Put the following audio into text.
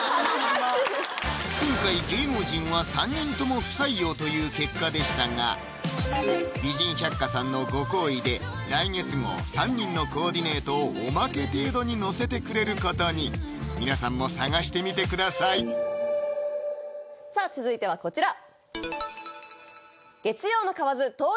今回芸能人は３人とも不採用という結果でしたが「美人百花」さんのご厚意で来月号３人のコーディネートをオマケ程度に載せてくれることに皆さんも探してみてくださいさあ続いてはこちら！